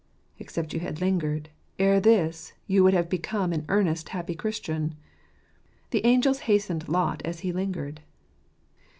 Except you had lingered, ere this you would have become an earnest, happy Christian. " The angels hastened Lot as he lingered."